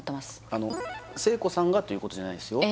あの聖子さんがということじゃないんですよ